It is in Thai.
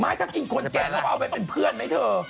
ถ้ากินคนแก่แล้วเอาไว้เป็นเพื่อนไหมเธอ